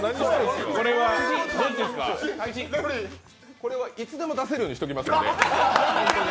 これはいつでも出せるようにしておきますので。